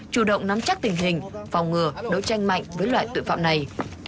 chủ động nắm chắc tình hình phòng ngừa đối tranh mạnh với loại tội phạm này